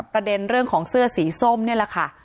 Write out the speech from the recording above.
ประเด็นเรื่องของเสื้อสีส้มนี่แหละค่ะ